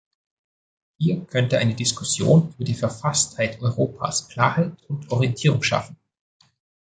Hier könnte eine Diskussion über die Verfasstheit Europas Klarheit und Orientierung schaffen.